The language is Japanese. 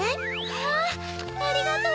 わぁありがとう。